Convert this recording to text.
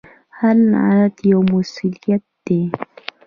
هر لغت یو مسؤلیت دی.